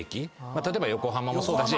例えば横浜もそうだし